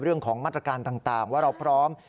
เรื่องของมาตรการต่างว่าเราพร้อม